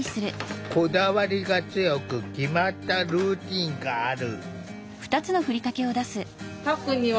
こだわりが強く決まったルーティンがある。